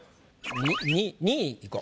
２位２位いこう。